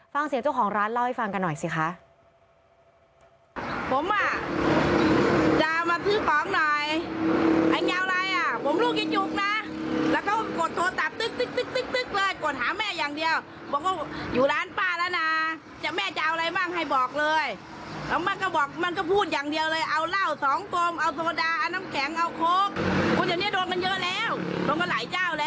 ฟังเสียงเจ้าของร้านเล่าให้ฟังกันหน่อยสิคะ